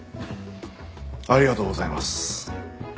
ありがとうございます。